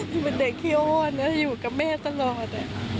อยู่เป็นเด็กขี้โอ้นอยู่กับแม่ตลอด